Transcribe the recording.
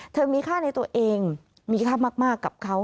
มีค่าในตัวเองมีค่ามากกับเขา